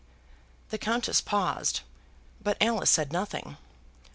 The Countess paused, but Alice said nothing.